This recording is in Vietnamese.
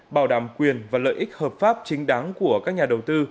bảo đảm quyền và lợi ích hợp pháp chính đáng của các nhà đầu tư